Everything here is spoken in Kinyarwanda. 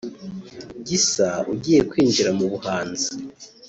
Gisa ugiye kwinjira mu buhanzi